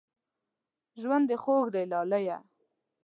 ژوند دې خوږ دی لالیه